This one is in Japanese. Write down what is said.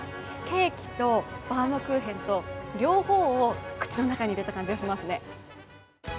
ケーキとバウムクーヘンと両方を口の中に入れた感じがしますね。